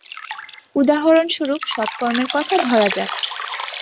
উদাহরণস্বরূপ সৎকর্মের কথা ধরা যাক।